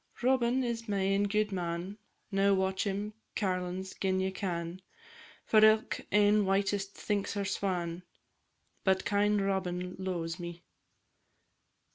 Robin is my ain gudeman, Now match him, carlins, gin ye can, For ilk ane whitest thinks her swan, But kind Robin lo'es me.